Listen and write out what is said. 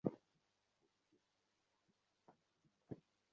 গ্রাম শহরনির্বিশেষে গরু ও খাসির মাংস খাওয়া কমেছে।